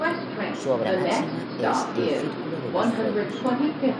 Su obra máxima es El Círculo de los Fuegos.